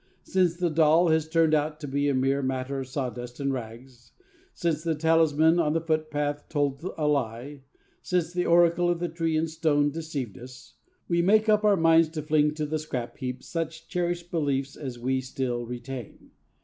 Since the doll has turned out to be a mere matter of sawdust and rags, since the talisman on the footpath told a lie, since the oracle of tree and stone deceived us, we make up our minds to fling to the scrap heap such cherished beliefs as we still retain.